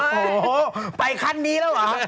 โอ้โหไปขั้นนี้แล้วเหรอ